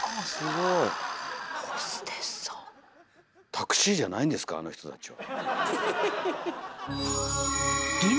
タクシーじゃないんですかあの人たちは。